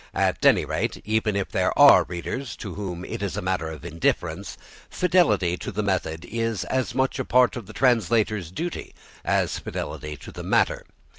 At any rate, even if there are readers to whom it is a matter of indifference, fidelity to the method is as much a part of the translator's duty as fidelity to the matter.